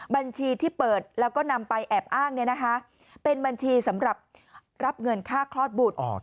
บัญชีที่เปิดแล้วก็นำไปแอบอ้างเป็นบัญชีสำหรับรับเงินค่าคลอดบุตร